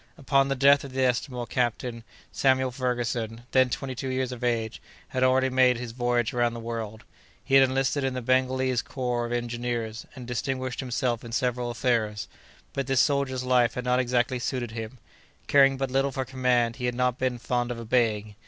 Upon the death of the estimable captain, Samuel Ferguson, then twenty two years of age, had already made his voyage around the world. He had enlisted in the Bengalese Corps of Engineers, and distinguished himself in several affairs; but this soldier's life had not exactly suited him; caring but little for command, he had not been fond of obeying.